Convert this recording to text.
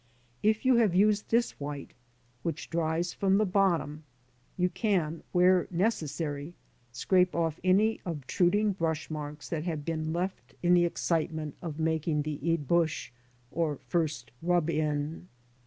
If you have used this white, which dries from the bottom, you can, where necessary, scrape off any obtruding brush marks that have been left in the excitement of making the ibatiche, or first rub in.